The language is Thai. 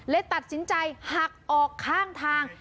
ตัดสินใจหักออกข้างทาง